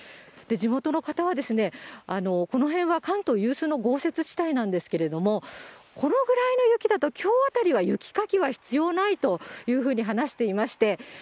地元の方は、この辺は関東有数の豪雪地帯なんですけれども、このぐらいの雪だときょうあたりは雪かきは必要ないというふうに話していまして。